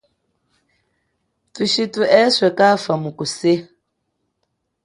Thushithu eswe kafa muku seha.